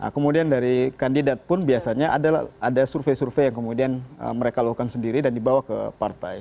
kemudian dari kandidat pun biasanya ada survei survei yang kemudian mereka lakukan sendiri dan dibawa ke partai